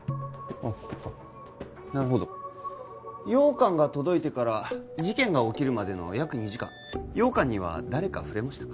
ここかなるほど羊羹が届いてから事件が起きるまでの約２時間羊羹には誰か触れましたか？